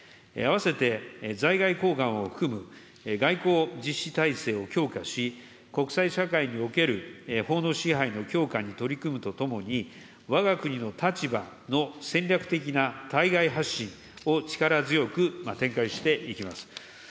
併せて在外公館を含む外交実施体制を強化し、国際社会における法の支配の強化に取り組むとともに、わが国の立場の戦略的な対外発信を力強く展開していきます。